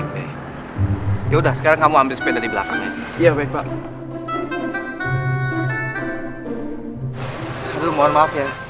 pokoknya om bisa naik sepeda